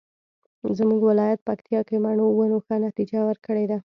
زمونږ ولایت پکتیکا کې مڼو ونو ښه نتیجه ورکړې ده